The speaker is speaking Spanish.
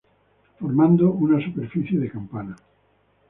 Formando una superficie de campana.